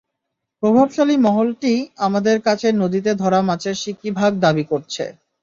প্রভাবশালী মহলটি আমাদের কাছে নদীতে ধরা মাছের শিকি ভাগ দাবি করছে।